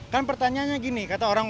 kan pertanyaannya gini